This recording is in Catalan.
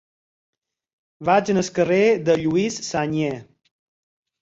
Vaig al carrer de Lluís Sagnier.